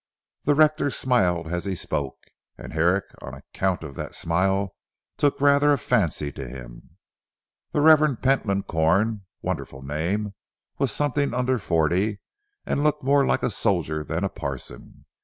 The rector smiled as he spoke, and Herrick on account of that smile took rather a fancy to him. The Revd. Pentland Corn wonderful name was something under forty; and looked more like a soldier than a parson.